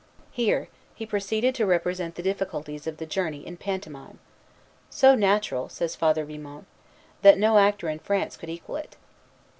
Here he proceeded to represent the difficulties of the journey in pantomime, "so natural," says Father Vimont, "that no actor in France could equal it."